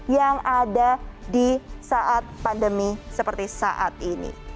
yang ada di saat pandemi seperti saat ini